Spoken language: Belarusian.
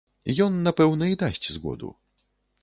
Ён, напэўна, і дасць згоду.